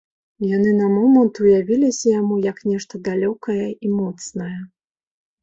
Яны на момант уявіліся яму як нешта далёкае і моцнае.